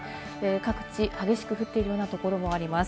各地、激しく降っているようなところもあります。